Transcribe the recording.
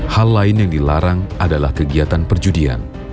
hal lain yang dilarang adalah kegiatan perjudian